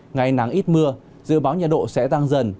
ngày nắng ít mưa dự báo nhiệt độ sẽ tăng dần